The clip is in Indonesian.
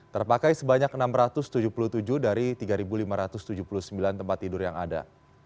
terpakai sebanyak enam ratus tujuh puluh tujuh dari tiga lima ratus tujuh puluh sembilan tempat tidur yang ada